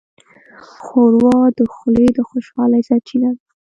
ښوروا د خولې د خوشحالۍ سرچینه ده.